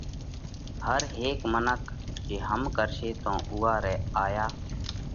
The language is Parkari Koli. هر هيڪ منک جي هم ڪرشي تو اُوئا رئِي آيا